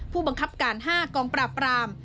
ผู้บังคับการ๕กองปราบราม